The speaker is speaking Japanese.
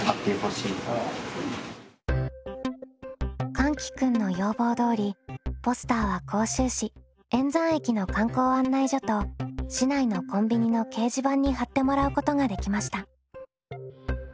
かんき君の要望どおりポスターは甲州市塩山駅の観光案内所と市内のコンビニの掲示板に貼ってもらうことができました。